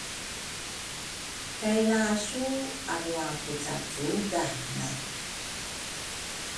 kay lasu arwapucacugane.